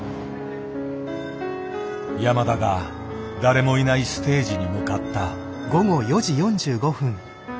山田が誰もいないステージに向かった。